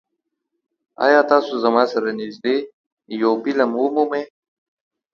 ایا تاسو زما سره نږدې یو فلم ومومئ؟